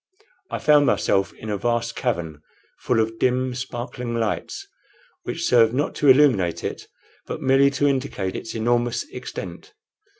I found myself in a vast cavern, full of dim, sparkling lights, which served not to illuminate it, but merely to indicate its enormous extent.